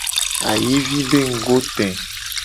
Ayivi be ngugo te.